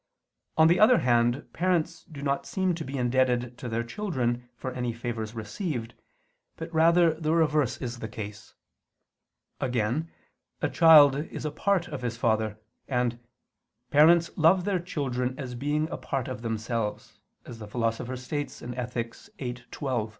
On the other hand parents do not seem to be indebted to their children for any favors received, but rather the reverse is the case. Again, a child is a part of his father; and "parents love their children as being a part of themselves," as the Philosopher states (Ethic. viii, 12).